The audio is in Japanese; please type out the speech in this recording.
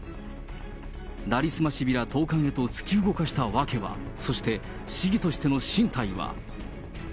成り済ましビラ投かんへと突き動かした訳は、そして市議としての進退は。